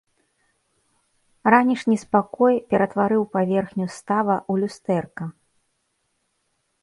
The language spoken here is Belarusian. Ранішні спакой ператварыў паверхню става ў люстэрка.